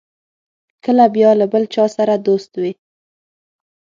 کله بیا له بل چا سره دوست وي.